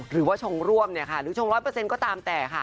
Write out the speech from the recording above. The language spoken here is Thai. หรือว่าชงร่วมหรือว่าชง๑๐๐ประเศนก็ตามแต่